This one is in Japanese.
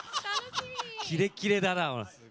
キレキレだな！